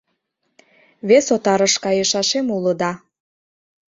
Вес отарыш кайышашем уло да...